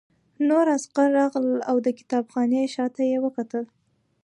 نور عسکر راغلل او د کتابخانې شاته یې وکتل